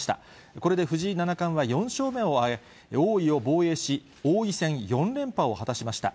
これで藤井七冠は４勝目を挙げ、王位を防衛し、王位戦４連覇を果たしました。